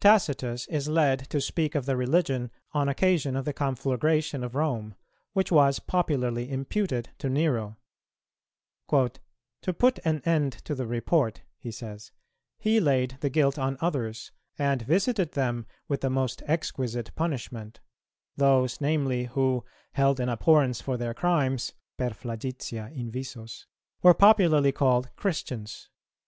Tacitus is led to speak of the Religion, on occasion of the conflagration of Rome, which was popularly imputed to Nero. "To put an end to the report," he says, "he laid the guilt on others, and visited them with the most exquisite punishment, those, namely, who, held in abhorrence for their crimes (per flagitia invisos), were popularly called Christians.